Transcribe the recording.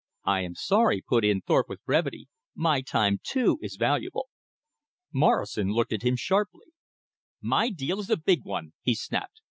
"I am sorry," put in Thorpe with brevity, "my time, too, is valuable." Morrison looked at him sharply. "My deal is a big one," he snapped.